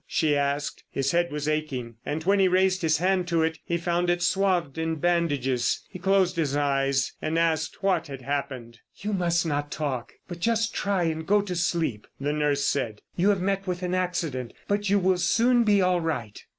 she asked. His head was aching, and when he raised his hand to it, he found it swathed in bandages: he closed his eyes and asked what had happened. "You must not talk, but just try and go to sleep," the nurse said. "You have met with an accident, but you will soon be all right."